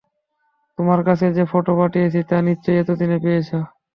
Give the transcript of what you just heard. তোমাদের কাছে যে ফটো পাঠিয়েছি, তা নিশ্চয়ই এতদিনে পেয়েছ।